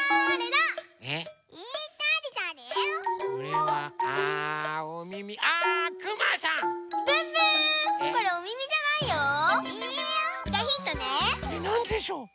なんでしょう？